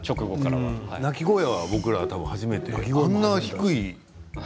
鳴き声は僕ら初めて。